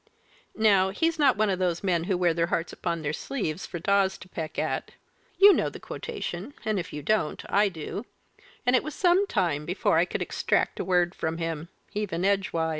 Now, he's not one of those men who wear their hearts upon their sleeves for daws to peck at you know the quotation, and if you don't, I do; and it was some time before I could extract a word from him, even edgeways.